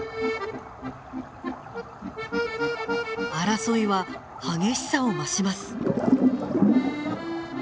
争いは激しさを増します。